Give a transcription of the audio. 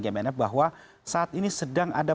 gmf bahwa saat ini sedang ada